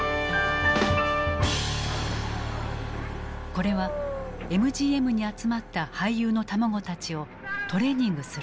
これはＭＧＭに集まった俳優の卵たちをトレーニングする映像。